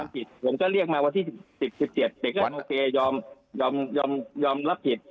ผิดผมก็เรียกมาวันที่๑๐๑๗เด็กก็โอเคยอมรับผิด